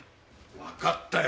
わかったよ！